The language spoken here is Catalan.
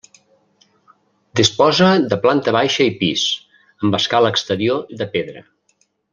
Disposa de planta baixa i pis, amb escala exterior de pedra.